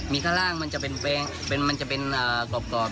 มีข้างล่างมันจะเป็นมันจะเป็นกรอบ